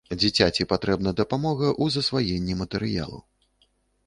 Дзіцяці патрэбна дапамога ў засваенні матэрыялу.